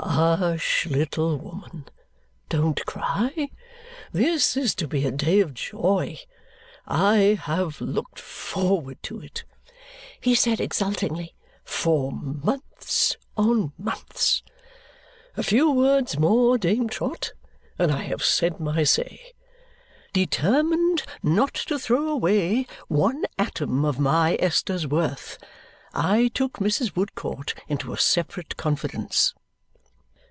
"Hush, little woman! Don't cry; this is to be a day of joy. I have looked forward to it," he said exultingly, "for months on months! A few words more, Dame Trot, and I have said my say. Determined not to throw away one atom of my Esther's worth, I took Mrs. Woodcourt into a separate confidence.